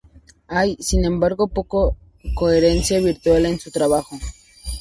Hay, sin embargo, poca coherencia visual en su trabajo.